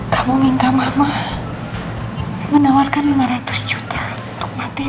kamu minta mama menawarkan lima ratus juta untuk mati